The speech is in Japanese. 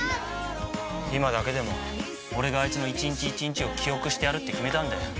今だけでも俺があいつの１日１日を記憶してやるって決めたんだ。